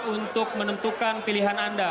untuk menentukan pilihan anda